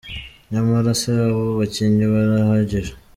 Nyamara se abo bakinnyi barahagije ?.